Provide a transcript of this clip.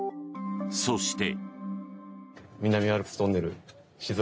そして。